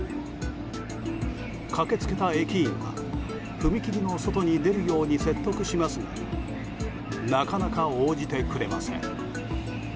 駆けつけた駅員が、踏切の外に出るように説得しましたがなかなか応じてくれません。